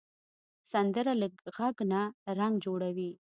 سندره له غږ نه رنګ جوړوي